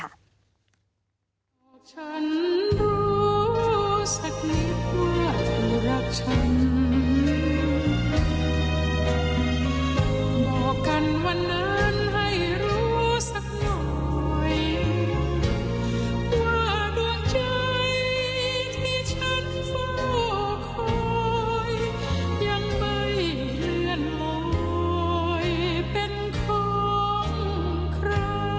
ว่าดวงใจที่ฉันเผาคอยยังไม่เหลือนโมยเป็นของใคร